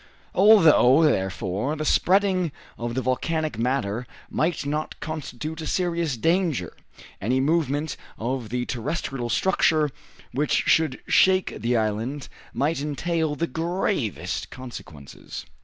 Although, therefore, the spreading of the volcanic matter might not constitute a serious danger, any movement of the terrestrial structure which should shake the island might entail the gravest consequences.